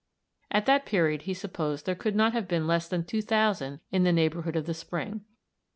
At that period he supposed there could not have been less than 2,000 in the neighborhood of the spring.